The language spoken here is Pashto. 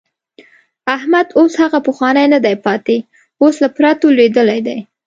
احمد اوس هغه پخوانی نه دی پاتې، اوس له پرتو لوېدلی دی.